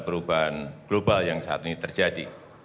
perubahan global yang saat ini terjadi